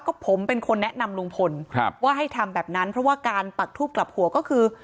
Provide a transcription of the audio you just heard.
ก็ผมเป็นคนแนะนำลุงพลครับว่าให้ทำแบบนั้นเพราะว่าการปักทูบกลับหัวก็คือ